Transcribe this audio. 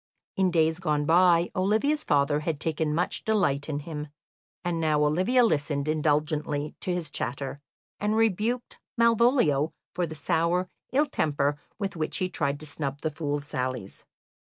In days gone by, Olivia's father had taken much delight in him, and now Olivia listened indulgently to his chatter, and rebuked Malvolio for the sour ill temper with which he tried to snub the fool's sallies.